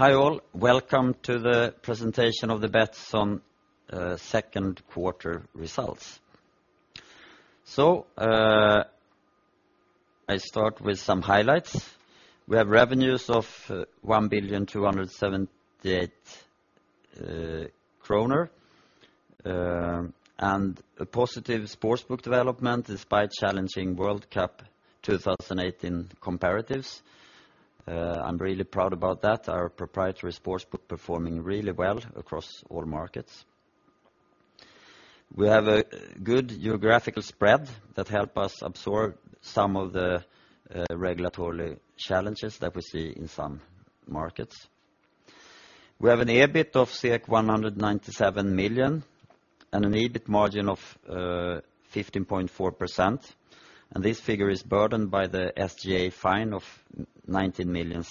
Hi, all. Welcome to the presentation of the Betsson second quarter results. I start with some highlights. We have revenues of 1,000,000,278 kronor, and a positive sportsbook development despite challenging World Cup 2018 comparatives. I am really proud about that. Our proprietary sportsbook performing really well across all markets. We have a good geographical spread that help us absorb some of the regulatory challenges that we see in some markets. We have an EBIT of 197 million and an EBIT margin of 15.4%, and this figure is burdened by the SGA fine of 19 million.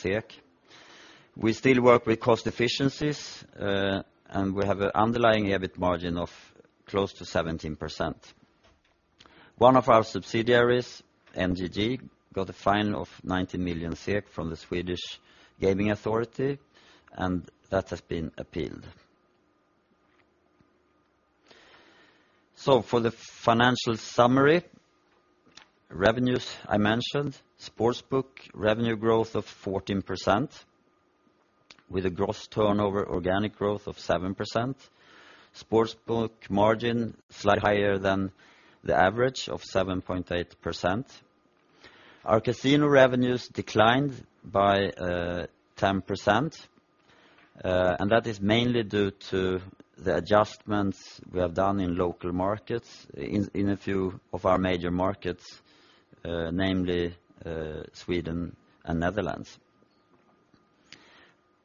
We still work with cost efficiencies, and we have an underlying EBIT margin of close 16.9%. One of our subsidiaries, NGG, got a fine of 19 million SEK from the Swedish Gaming Authority, and that has been appealed. For the financial summary, revenues I mentioned. Sportsbook revenue growth of 14%, with a gross turnover organic growth of 7%. Sportsbook margin slightly higher than the average of 7.8%. Our casino revenues declined by 10%, and that is mainly due to the adjustments we have done in local markets, in a few of our major markets, namely Sweden and Netherlands.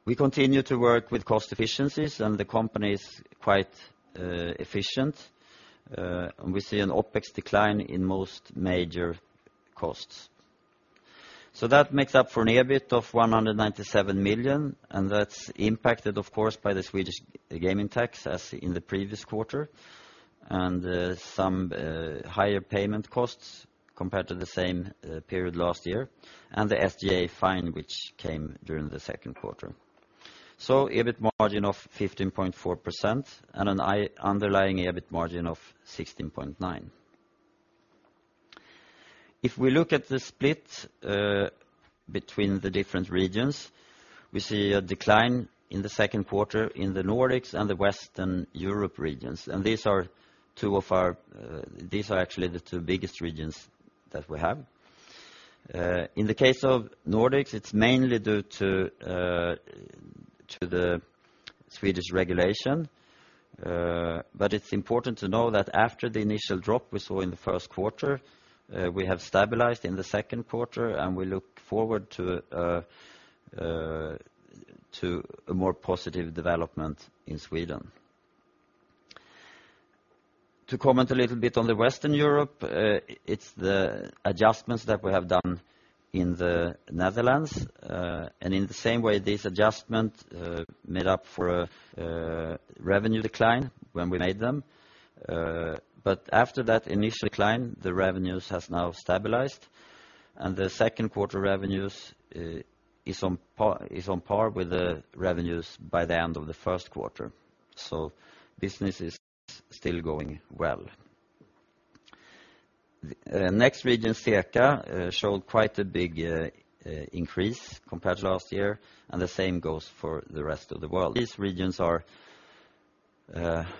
We continue to work with cost efficiencies, and the company is quite efficient. We see an OPEX decline in most major costs. That makes up for an EBIT of 197 million, and that is impacted, of course, by the Swedish gaming tax as in the previous quarter, and some higher payment costs compared to the same period last year, and the SGA fine, which came during the second quarter. EBIT margin of 15.4% and an underlying EBIT margin of 16.9%. If we look at the split between the different regions, we see a decline in the second quarter in the Nordics and the Western Europe regions. These are actually the two biggest regions that we have. In the case of Nordics, it is mainly due to the Swedish regulation. It is important to know that after the initial drop we saw in the first quarter, we have stabilized in the second quarter, and we look forward to a more positive development in Sweden. To comment a little bit on the Western Europe, it is the adjustments that we have done in the Netherlands. In the same way, this adjustment made up for a revenue decline when we made them. After that initial decline, the revenues has now stabilized, and the second quarter revenues is on par with the revenues by the end of the first quarter. Business is still going well. Next region, CEECA, showed quite a big increase compared to last year, and the same goes for the rest of the world. These regions are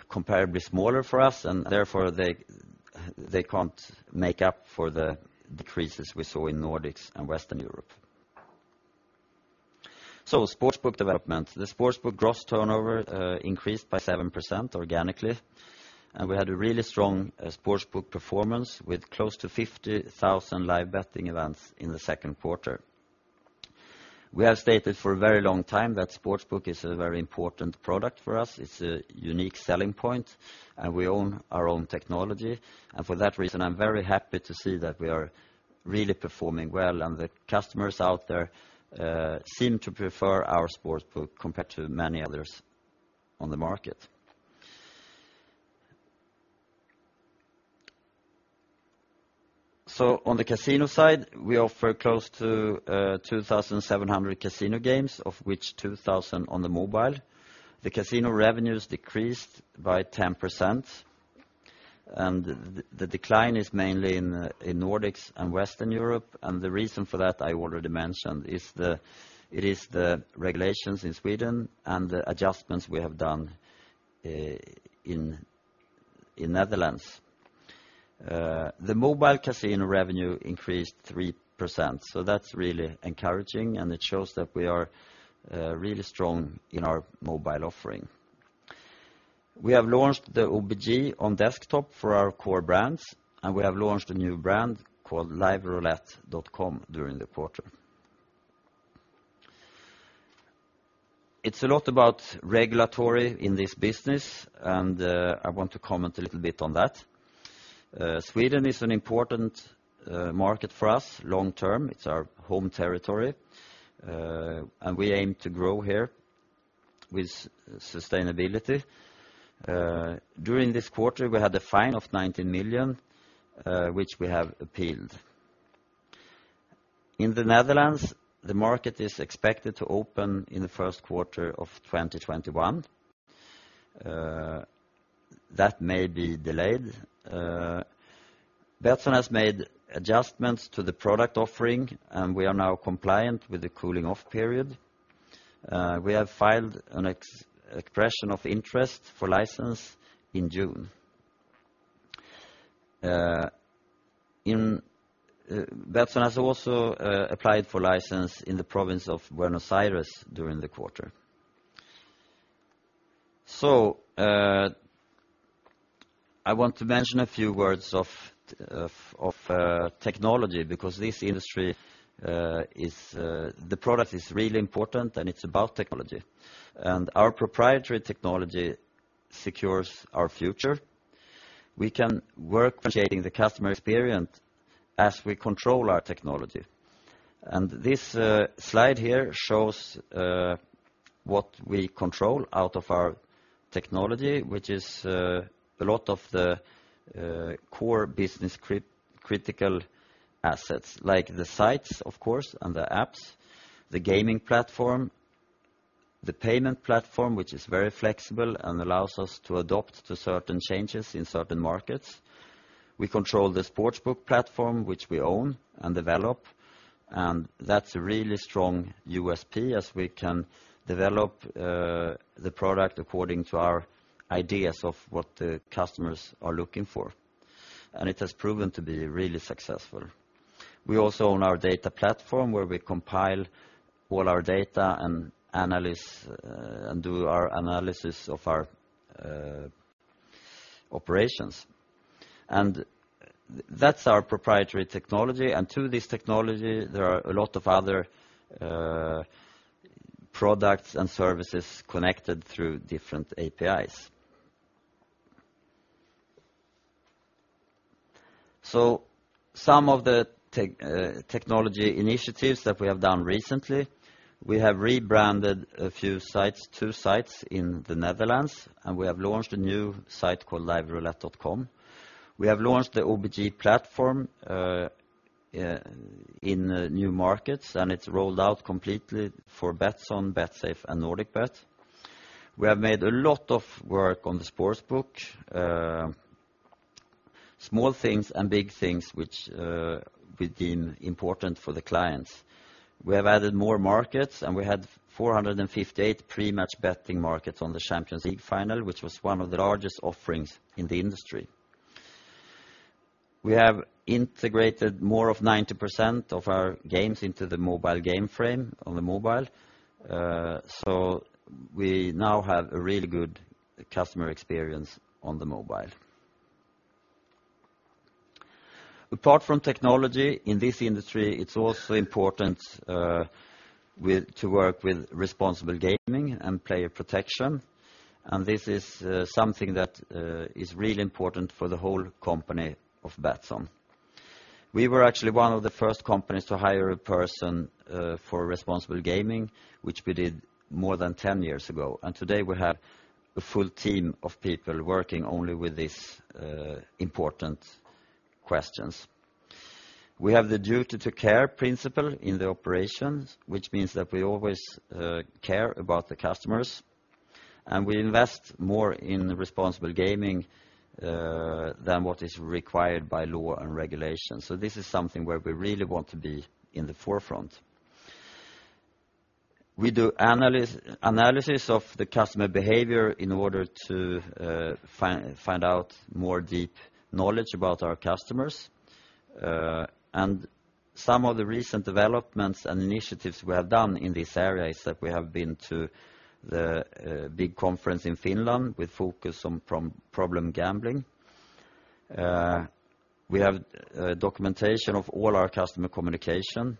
comparably smaller for us, and therefore, they cannot make up for the decreases we saw in Nordics and Western Europe. Sportsbook development. The sportsbook gross turnover increased by 7% organically, and we had a really strong sportsbook performance with close to 50,000 live betting events in the second quarter. We have stated for a very long time that sportsbook is a very important product for us. It is a unique selling point, and we own our own technology. For that reason, I am very happy to see that we are really performing well, and the customers out there seem to prefer our sportsbook compared to many others on the market. On the casino side, we offer close to 2,700 casino games, of which 2,000 on the mobile. The casino revenues decreased by 10%, the decline is mainly in Nordics and Western Europe. The reason for that I already mentioned, it is the regulations in Sweden and the adjustments we have done in the Netherlands. The mobile casino revenue increased 3%, that's really encouraging, and it shows that we are really strong in our mobile offering. We have launched the OBG on desktop for our core brands, and we have launched a new brand called LiveRoulette.com during the quarter. It's a lot about regulation in this business, I want to comment a little bit on that. Sweden is an important market for us long-term. It's our home territory, and we aim to grow here with sustainability. During this quarter, we had a fine of 19 million, which we have appealed. In the Netherlands, the market is expected to open in the first quarter of 2021. That may be delayed. Betsson has made adjustments to the product offering, we are now compliant with the cooling off period. We have filed an expression of interest for license in June. Betsson has also applied for license in the province of Buenos Aires during the quarter. I want to mention a few words of technology, because this industry, the product is really important, and it's about technology. Our proprietary technology secures our future. We can work creating the customer experience as we control our technology. This slide here shows what we control out of our technology, which is a lot of the core business critical assets. The sites, of course, and the apps, the gaming platform, the payment platform, which is very flexible and allows us to adopt to certain changes in certain markets. We control the sportsbook platform, which we own and develop, that's a really strong USP as we can develop the product according to our ideas of what the customers are looking for. It has proven to be really successful. We also own our data platform, where we compile all our data and do our analysis of our operations. That's our proprietary technology. To this technology, there are a lot of other products and services connected through different APIs. Some of the technology initiatives that we have done recently, we have rebranded a few sites, two sites in the Netherlands, and we have launched a new site called LiveRoulette.com. We have launched the OBG platform in new markets, and it's rolled out completely for Betsson, Betsafe, and NordicBet. We have made a lot of work on the sportsbook. Small things and big things which we deem important for the clients. We have added more markets, and we had 458 pre-match betting markets on the Champions League final, which was one of the largest offerings in the industry. We have integrated more of 90% of our games into the mobile game frame on the mobile. We now have a really good customer experience on the mobile. Apart from technology in this industry, it's also important to work with responsible gaming and player protection, this is something that is really important for the whole company of Betsson. We were actually one of the first companies to hire a person for responsible gaming, which we did more than 10 years ago. Today we have a full team of people working only with these important questions. We have the duty to care principle in the operation, which means that we always care about the customers. We invest more in responsible gaming than what is required by law and regulations. This is something where we really want to be in the forefront. We do analysis of the customer behavior in order to find out more deep knowledge about our customers. Some of the recent developments and initiatives we have done in this area is that we have been to the big conference in Finland with focus on problem gambling. We have documentation of all our customer communication.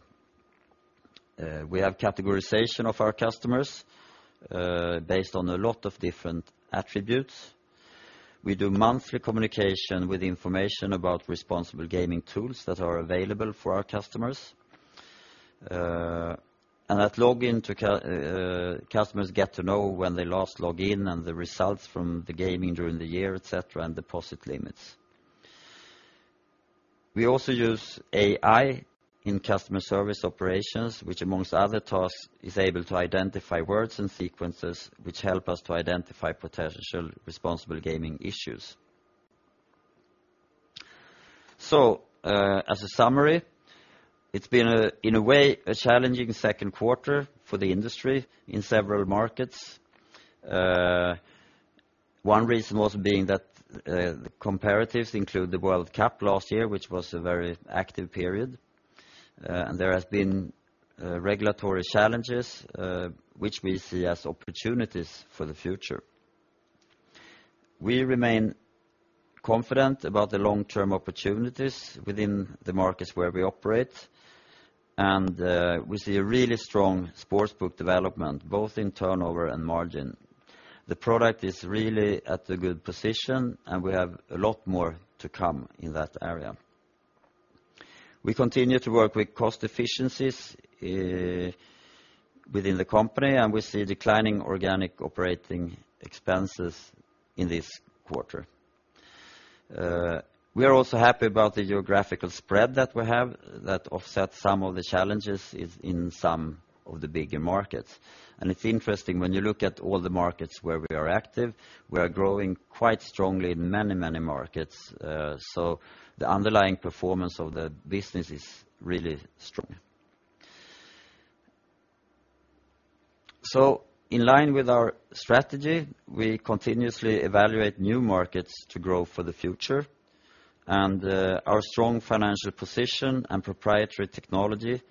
We have categorization of our customers based on a lot of different attributes. We do monthly communication with information about responsible gaming tools that are available for our customers. At login, customers get to know when they last log in and the results from the gaming during the year, et cetera, and deposit limits. We also use AI in customer service operations, which among other tasks, is able to identify words and sequences, which help us to identify potential responsible gaming issues. As a summary, it's been, in a way, a challenging second quarter for the industry in several markets. One reason was being that the comparatives include the World Cup last year, which was a very active period. There has been regulatory challenges, which we see as opportunities for the future. We remain confident about the long-term opportunities within the markets where we operate. We see a really strong sportsbook development, both in turnover and margin. The product is really at a good position. We have a lot more to come in that area. We continue to work with cost efficiencies within the company. We see declining organic operating expenses in this quarter. We are also happy about the geographical spread that we have that offsets some of the challenges in some of the bigger markets. It's interesting, when you look at all the markets where we are active, we are growing quite strongly in many markets. The underlying performance of the business is really strong. In line with our strategy, we continuously evaluate new markets to grow for the future. Our strong financial position and proprietary technology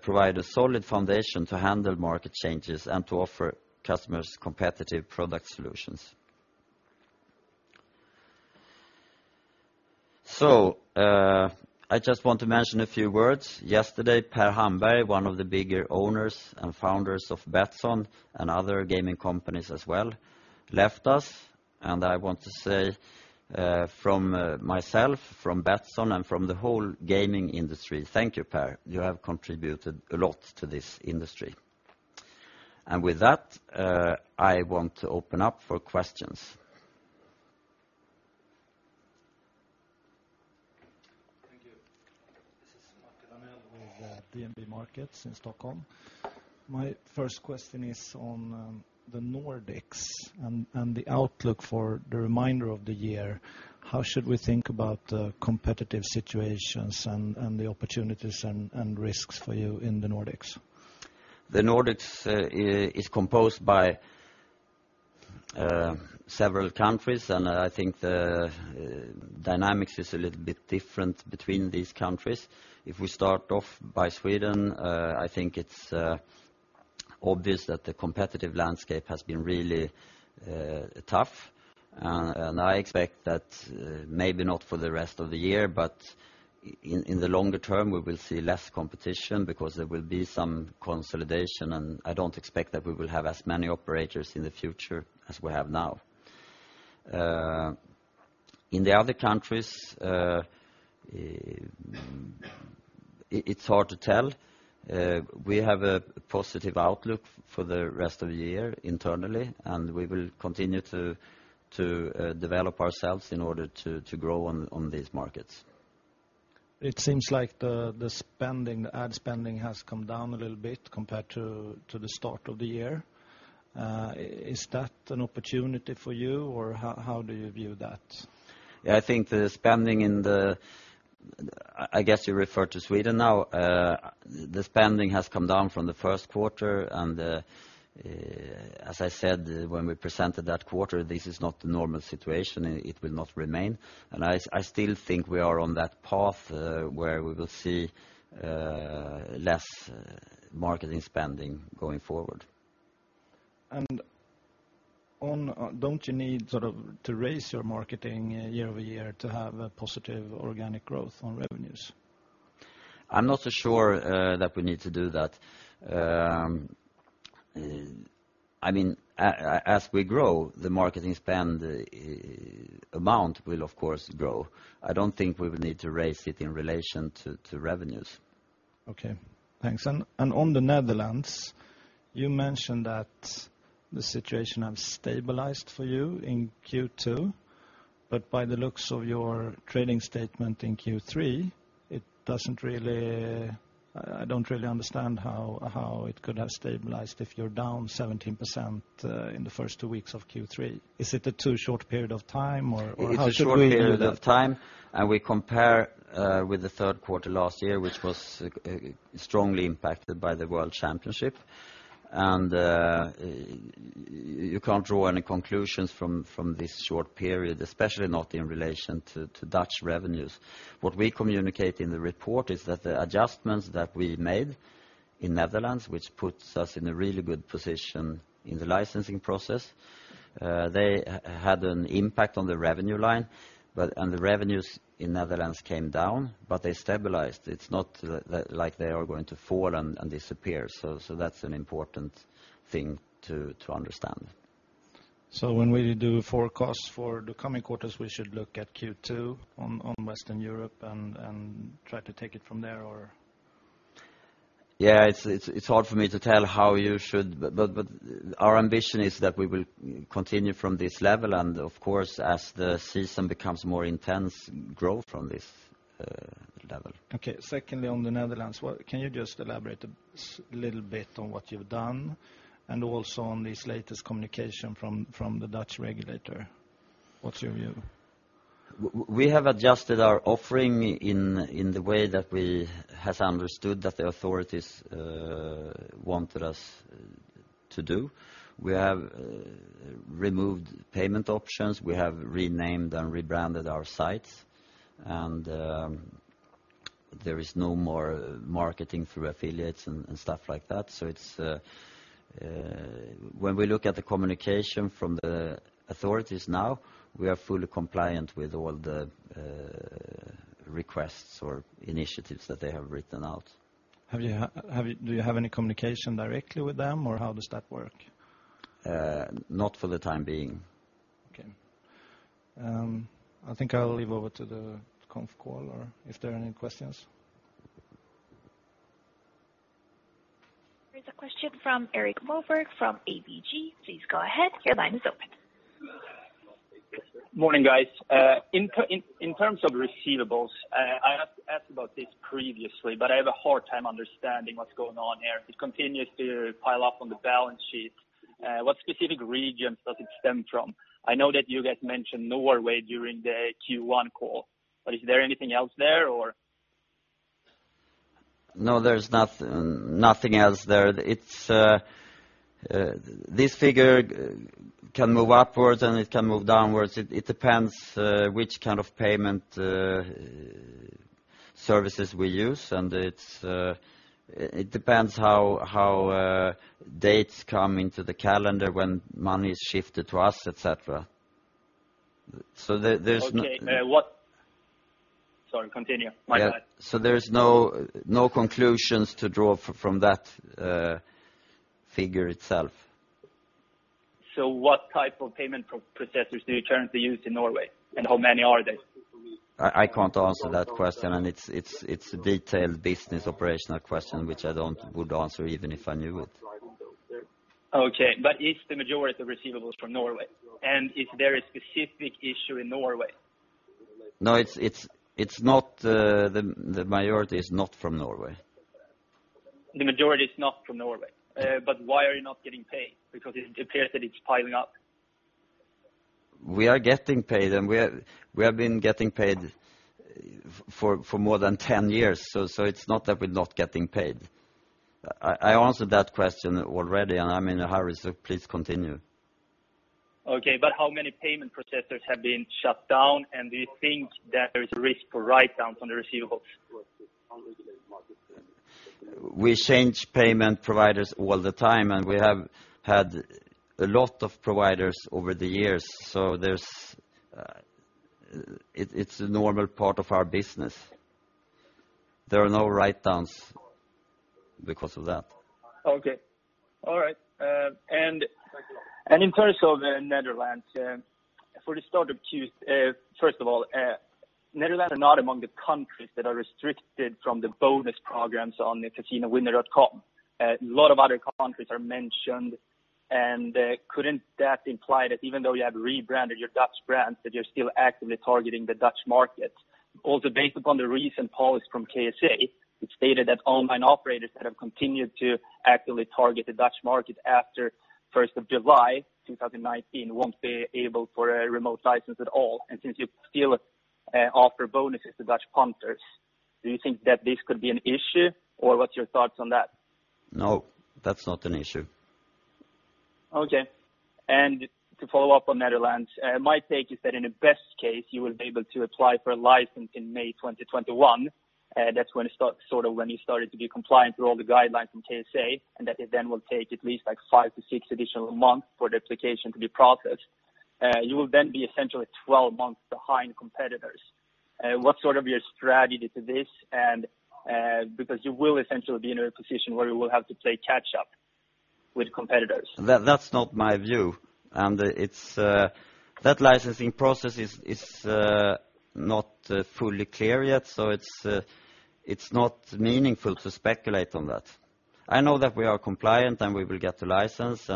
provide a solid foundation to handle market changes and to offer customers competitive product solutions. I just want to mention a few words. Yesterday, Per Hamberg, one of the bigger owners and founders of Betsson and other gaming companies as well, left us. I want to say from myself, from Betsson, and from the whole gaming industry, thank you, Per. You have contributed a lot to this industry. With that, I want to open up for questions. Thank you. This is Maciej Damię of DNB Markets in Stockholm. My first question is on the Nordics and the outlook for the remainder of the year. How should we think about the competitive situations and the opportunities and risks for you in the Nordics? The Nordics is composed by several countries. I think the dynamics is a little bit different between these countries. If we start off by Sweden, I think it's obvious that the competitive landscape has been really tough. I expect that maybe not for the rest of the year, but in the longer term, we will see less competition because there will be some consolidation. I don't expect that we will have as many operators in the future as we have now. In the other countries, it's hard to tell. We have a positive outlook for the rest of the year internally. We will continue to develop ourselves in order to grow on these markets. It seems like the ad spending has come down a little bit compared to the start of the year. Is that an opportunity for you, or how do you view that? I think the spending. I guess you refer to Sweden now. The spending has come down from the first quarter. As I said when we presented that quarter, this is not the normal situation, it will not remain. I still think we are on that path where we will see less marketing spending going forward. Don't you need to raise your marketing year-over-year to have a positive organic growth on revenues? I'm not so sure that we need to do that. As we grow, the marketing spend amount will of course grow. I don't think we will need to raise it in relation to revenues. Okay, thanks. On the Netherlands, you mentioned that the situation has stabilized for you in Q2, but by the looks of your trading statement in Q3, I don't really understand how it could have stabilized if you're down 17% in the first two weeks of Q3. Is it a too short period of time, or how should we view that? It's a short period of time, we compare with the third quarter last year, which was strongly impacted by the World Cup. You can't draw any conclusions from this short period, especially not in relation to Dutch revenues. What we communicate in the report is that the adjustments that we made in Netherlands, which puts us in a really good position in the licensing process, they had an impact on the revenue line. The revenues in Netherlands came down, but they stabilized. It's not like they are going to fall and disappear. That's an important thing to understand. When we do forecasts for the coming quarters, we should look at Q2 on Western Europe and try to take it from there, or? It's hard for me to tell how you should, but our ambition is that we will continue from this level and, of course, as the season becomes more intense, grow from this level. Secondly, on the Netherlands, can you just elaborate a little bit on what you've done and also on this latest communication from the Dutch regulator? What's your view? We have adjusted our offering in the way that we have understood that the authorities wanted us to do. We have removed payment options. We have renamed and rebranded our sites, and there is no more marketing through affiliates and stuff like that. When we look at the communication from the authorities now, we are fully compliant with all the requests or initiatives that they have written out. Do you have any communication directly with them, or how does that work? Not for the time being. I think I'll leave over to the conf call, or if there are any questions. There's a question from Erik Bolwerk from ABG. Please go ahead. Your line is open. Morning, guys. In terms of receivables, I asked about this previously, but I have a hard time understanding what's going on here. It continues to pile up on the balance sheet. What specific regions does it stem from? I know that you guys mentioned Norway during the Q1 call. Is there anything else there or? No, there's nothing else there. This figure can move upwards, and it can move downwards. It depends which kind of payment services we use, and it depends how dates come into the calendar when money is shifted to us, et cetera. Okay. Sorry, continue. My bad. There's no conclusions to draw from that figure itself. What type of payment processors do you currently use in Norway, and how many are they? I can't answer that question, and it's a detailed business operational question, which I wouldn't answer even if I knew it. Okay. Is the majority of the receivables from Norway? Is there a specific issue in Norway? No, the majority is not from Norway. The majority is not from Norway. Why are you not getting paid? It appears that it's piling up. We are getting paid, we have been getting paid for more than 10 years. It's not that we're not getting paid. I answered that question already, I'm in a hurry, please continue. Okay. How many payment processors have been shut down? Do you think that there is a risk for write-downs on the receivables? We change payment providers all the time, we have had a lot of providers over the years. It's a normal part of our business. There are no write-downs because of that. Okay. All right. In terms of Netherlands, for the start of first of all, Netherlands are not among the countries that are restricted from the bonus programs on the casinowinner.com. A lot of other countries are mentioned, couldn't that imply that even though you have rebranded your Dutch brands, that you're still actively targeting the Dutch market? Also, based upon the recent policy from KSA, which stated that online operators that have continued to actively target the Dutch market after 1st of July 2019 won't be able for a remote license at all. Since you still offer bonuses to Dutch punters, do you think that this could be an issue, or what's your thoughts on that? No, that's not an issue. To follow up on Netherlands, my take is that in the best case, you will be able to apply for a license in May 2021. That's when you started to be compliant with all the guidelines from KSA, and that it then will take at least five to six additional months for the application to be processed. You will then be essentially 12 months behind competitors. What's sort of your strategy to this? You will essentially be in a position where you will have to play catch up with competitors. That's not my view. That licensing process is not fully clear yet, it's not meaningful to speculate on that. I know that we are compliant, we will get the license,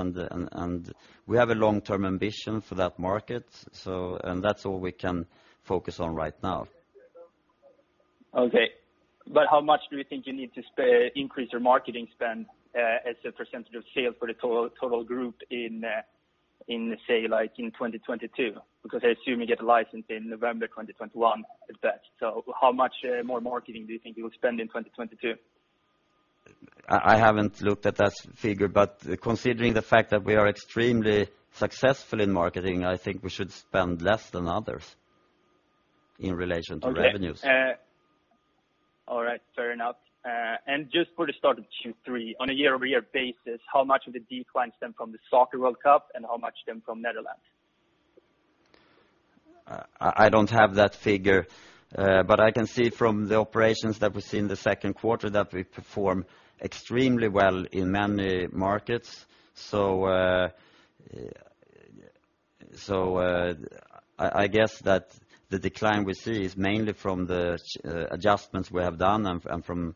we have a long-term ambition for that market. That's all we can focus on right now. Okay. How much do you think you need to increase your marketing spend as a percentage of sales for the total group in, say, like in 2022? I assume you get the license in November 2021 at best. How much more marketing do you think you will spend in 2022? I haven't looked at that figure, but considering the fact that we are extremely successful in marketing, I think we should spend less than others in relation to revenues. Okay. All right. Fair enough. Just for the start of Q3, on a year-over-year basis, how much of the decline stem from the Soccer World Cup and how much stem from Netherlands? I don't have that figure. I can see from the operations that we see in the second quarter that we perform extremely well in many markets. I guess that the decline we see is mainly from the adjustments we have done and from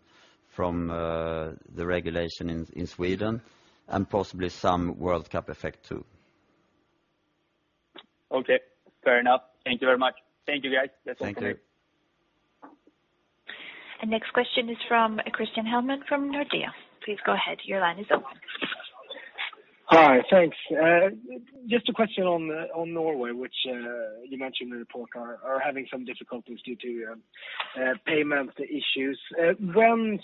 the regulation in Sweden and possibly some World Cup effect too. Okay. Fair enough. Thank you very much. Thank you guys. Thank you. Next question is from Christian Hellman from Nordea. Please go ahead. Your line is open. Hi. Thanks. Just a question on Norway, which you mentioned in the report are having some difficulties due to payment issues. When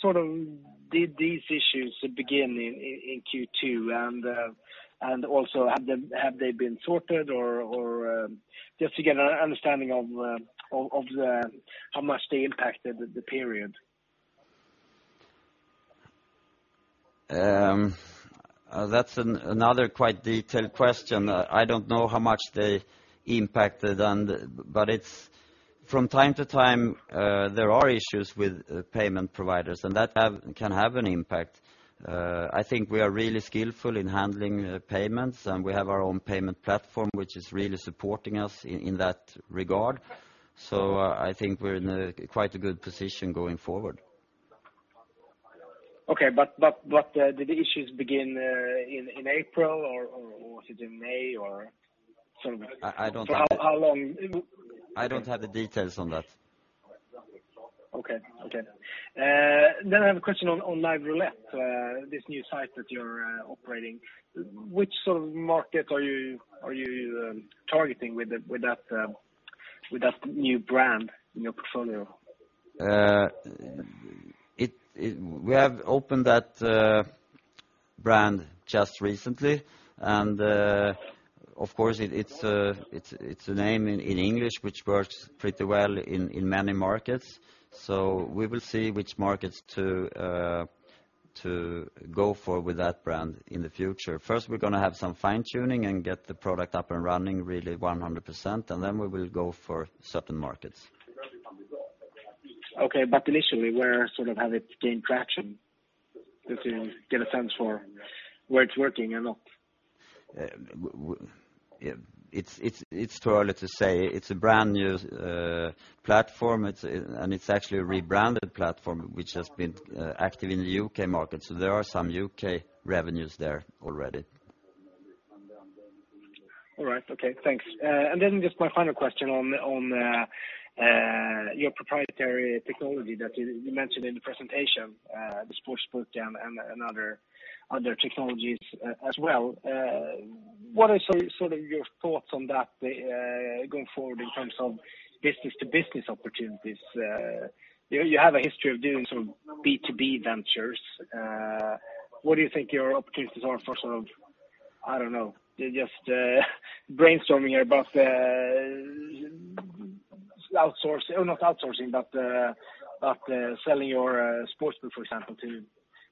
did these issues begin in Q2? Also have they been sorted or just to get an understanding of how much they impacted the period? That's another quite detailed question. I don't know how much they impacted, but it's. From time to time, there are issues with payment providers, and that can have an impact. I think we are really skillful in handling payments, and we have our own payment platform, which is really supporting us in that regard. I think we're in quite a good position going forward. Okay. Did the issues begin in April, or was it in May? I don't have the- For how long? I don't have the details on that. Okay. I have a question on Live Roulette, this new site that you're operating. Which sort of market are you targeting with that new brand in your portfolio? We have opened that brand just recently, and of course, it's a name in English, which works pretty well in many markets. We will see which markets to go for with that brand in the future. First, we're going to have some fine-tuning and get the product up and running really 100%, and then we will go for certain markets. Okay, initially, where have it gained traction? Just to get a sense for where it's working or not. It's too early to say. It's a brand-new platform. It's actually a rebranded platform which has been active in the U.K. market, so there are some U.K. revenues there already. All right. Okay, thanks. Just my final question on your proprietary technology that you mentioned in the presentation, the sportsbook and other technologies as well. What are your thoughts on that going forward in terms of business-to-business opportunities? You have a history of doing some B2B ventures. What do you think your opportunities are for, I don't know, just brainstorming here, but selling your sportsbook, for example,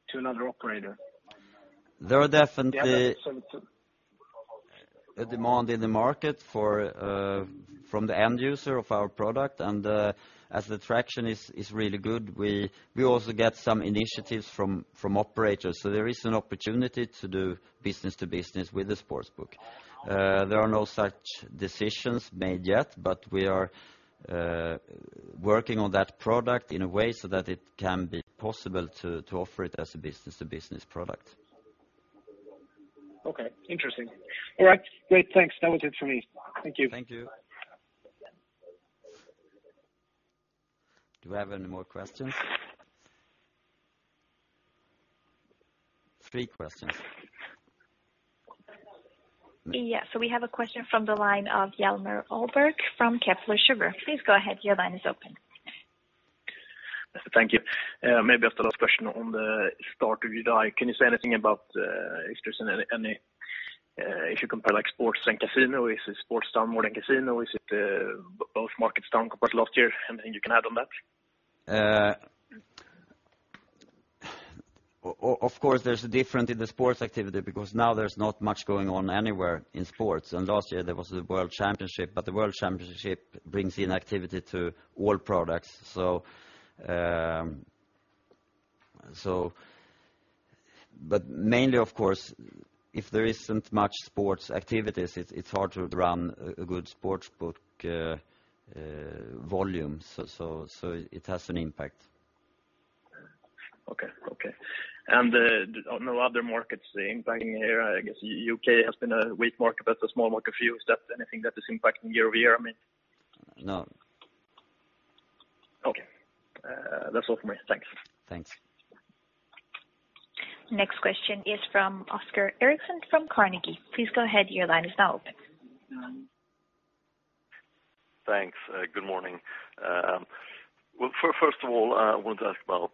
to another operator? There are definitely a demand in the market from the end user of our product, and as the traction is really good, we also get some initiatives from operators. There is an opportunity to do business-to-business with the sportsbook. There are no such decisions made yet, we are working on that product in a way so that it can be possible to offer it as a business-to-business product. Okay. Interesting. All right, great. Thanks. That was it for me. Thank you. Thank you. Do we have any more questions? Three questions. Yes, we have a question from the line of Hjalmar Ahlberg from Kepler Cheuvreux. Please go ahead. Your line is open. Thank you. Maybe just a last question on the start of your day. Can you say anything about if there's any issue compared sports and casino? Is it sports down more than casino? Is it both markets down compared to last year? Anything you can add on that? Of course, there's a difference in the sports activity because now there's not much going on anywhere in sports. Last year there was the World Cup, the World Cup brings in activity to all products. Mainly, of course, if there isn't much sports activities, it's hard to run a good sportsbook volume. It has an impact. Okay. No other markets impacting here? I guess U.K. has been a weak market, but a small market for you. Is that anything that is impacting year-over-year? No. Okay. That's all for me. Thanks. Thanks. Next question is from Oskar Eriksson from Carnegie. Please go ahead. Your line is now open. Thanks. Good morning. Well, first of all, I want to ask about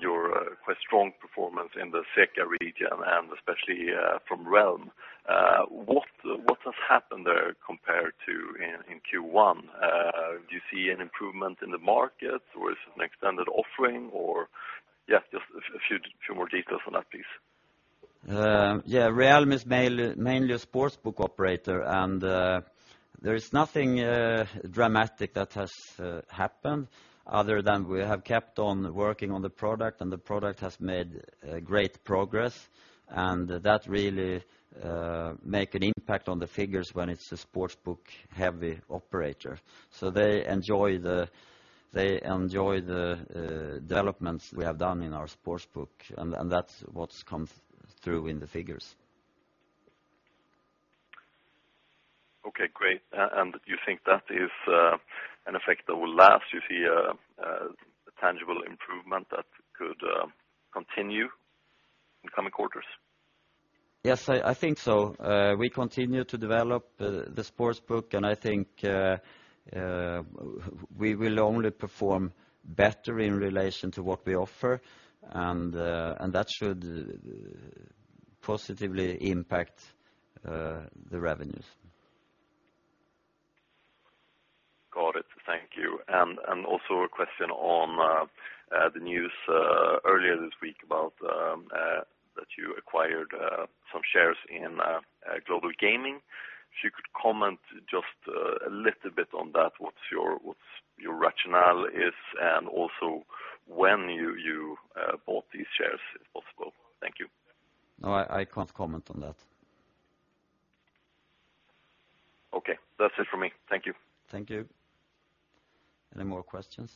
your quite strong performance in the CEECA region, and especially from Realm. What has happened there compared to in Q1? Do you see an improvement in the market, or is it an extended offering? Just a few more details on that, please. Yeah. Realm is mainly a sportsbook operator. There is nothing dramatic that has happened other than we have kept on working on the product. The product has made great progress, and that really make an impact on the figures when it's a sportsbook-heavy operator. They enjoy the developments we have done in our sportsbook, and that's what comes through in the figures. Okay, great. You think that is an effect that will last? Do you see a tangible improvement that could continue in coming quarters? Yes, I think so. We continue to develop the sportsbook, and I think we will only perform better in relation to what we offer, and that should positively impact the revenues. Got it. Thank you. Also a question on the news earlier this week about that you acquired some shares in Global Gaming. If you could comment just a little bit on that, what your rationale is, and also when you bought these shares, if possible. Thank you. No, I can't comment on that. Okay. That's it for me. Thank you. Thank you. Any more questions?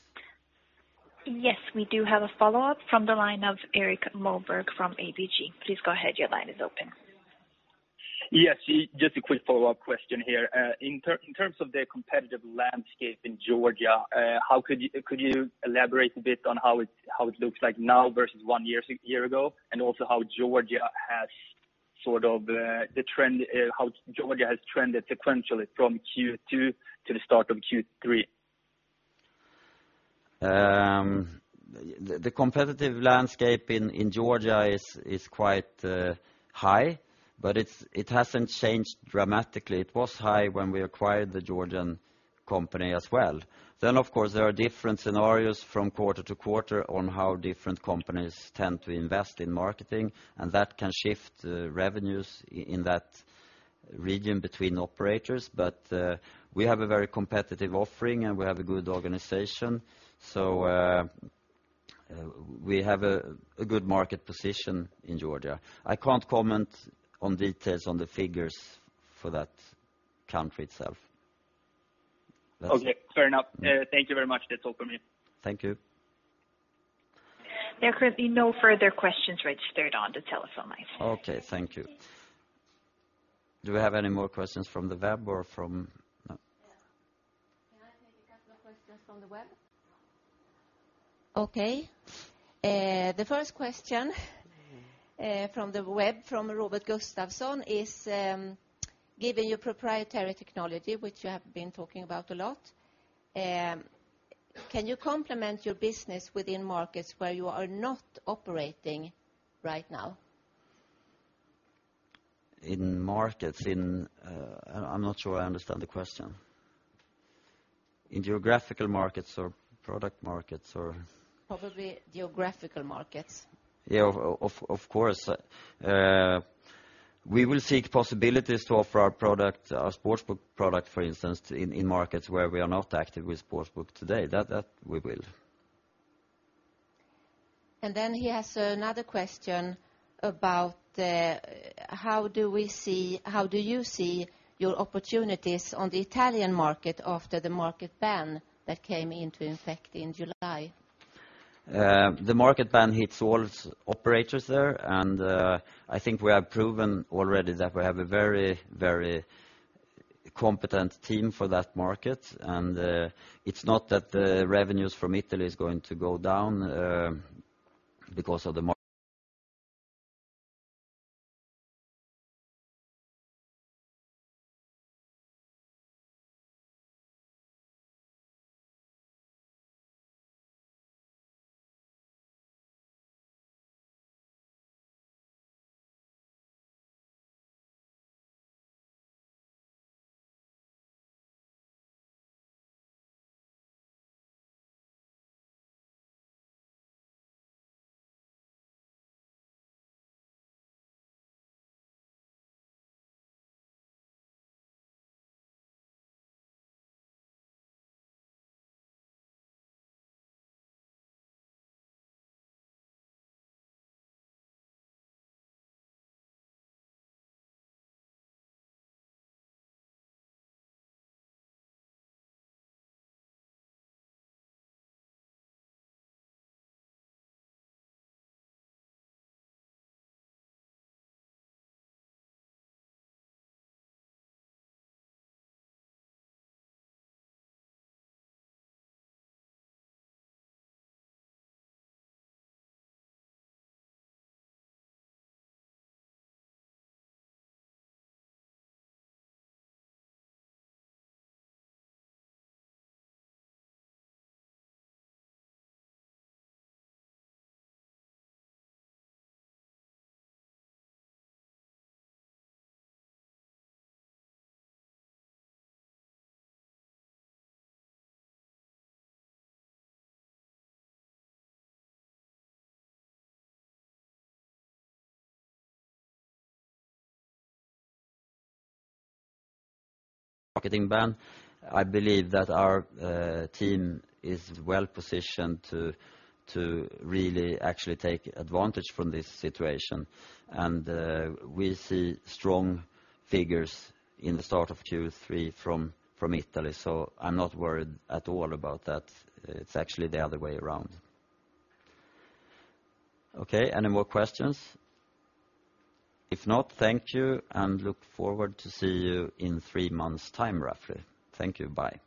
We do have a follow-up from the line of Erik Moberg from ABG. Please go ahead. Your line is open. Just a quick follow-up question here. In terms of the competitive landscape in Georgia, could you elaborate a bit on how it looks like now versus one year ago? Also how Georgia has trended sequentially from Q2 to the start of Q3? The competitive landscape in Georgia is quite high, it hasn't changed dramatically. It was high when we acquired the Georgian company as well. Of course, there are different scenarios from quarter to quarter on how different companies tend to invest in marketing, and that can shift revenues in that region between operators. We have a very competitive offering, and we have a good organization. We have a good market position in Georgia. I can't comment on details on the figures for that country itself. Okay. Fair enough. Thank you very much. That's all from me. Thank you. There are currently no further questions registered on the telephone line. Okay. Thank you. Do we have any more questions from the web? Yes. Can I take a couple of questions from the web? Okay. The first question from the web, from Robert Gustafsson is, given your proprietary technology, which you have been talking about a lot, can you complement your business within markets where you are not operating right now? I'm not sure I understand the question. In geographical markets or product markets or? Probably geographical markets. Yeah, of course. We will seek possibilities to offer our product, our sportsbook product, for instance, in markets where we are not active with sportsbook today. That we will. He has another question about how do you see your opportunities on the Italian market after the market ban that came into effect in July? The market ban hits all operators there. I think we have proven already that we have a very competent team for that market. It's not that the revenues from Italy is going to go down because of the Marketing ban. I believe that our team is well-positioned to really actually take advantage from this situation. We see strong figures in the start of Q3 from Italy, I'm not worried at all about that. It's actually the other way around. Okay, any more questions? If not, thank you, and look forward to see you in three months time, roughly. Thank you. Bye.